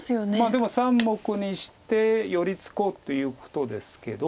でも３目にして寄り付こうということですけど。